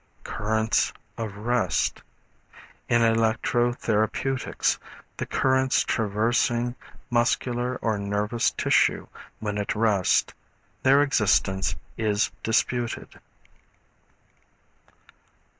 Currents of Rest. In electro therapeutics, the currents traversing muscular or nervous tissue when at rest. Their existence is disputed.